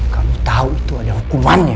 kamu tahu itu adalah hukumannya